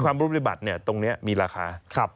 ความรู้ปฏิบัติตรงนี้มีราคา